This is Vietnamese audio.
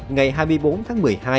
ngày hai mươi bốn tháng một mươi hai